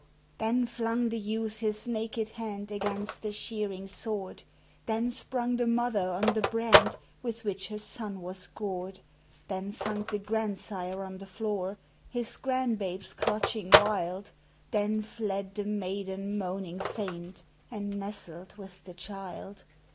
Then flung the youth his naked hand against the shearing sword; Then sprung the mother on the brand with which her son was gored; Then sunk the grandsire on the floor, his grand babes clutching wild; Then fled the maiden moaning faint, and nestled with the child.